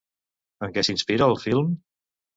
En què s'inspira el film?